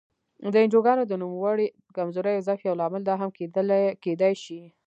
د انجوګانو د نوموړې کمزورۍ او ضعف یو لامل دا هم کېدای شي.